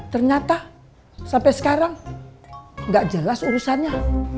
ternyata sampai sekarang nggak jelas urusannya